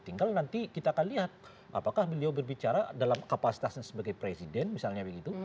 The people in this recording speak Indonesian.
tinggal nanti kita akan lihat apakah beliau berbicara dalam kapasitasnya sebagai presiden misalnya begitu